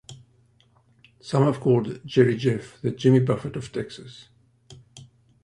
Some have called Jerry Jeff the Jimmy Buffett of Texas.